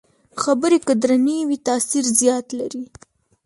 خبرې که درنې وي، تاثیر زیات لري